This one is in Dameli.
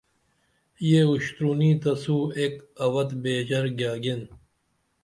یے اُشتُرنی تسو ایک اوت بیژر گیاگین